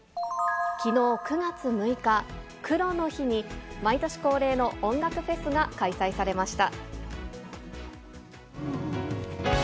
きのう９月６日、クロの日に、毎年恒例の音楽フェスが開催されました。